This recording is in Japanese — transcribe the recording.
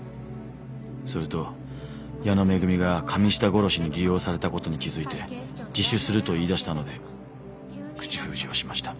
すると矢野恵が神下殺しに利用された事に気づいて自首すると言い出したので口封じをしました。